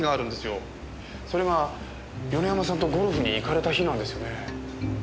それが米山さんとゴルフに行かれた日なんですよね。